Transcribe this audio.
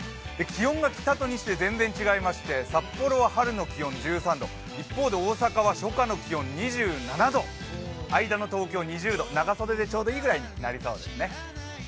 気温が北と西で全然違いまして札幌は春の気温１３度、一方で、大阪は初夏の気温２７度間の東京は２０度長袖でちょうどいいぐらいになりそうですね。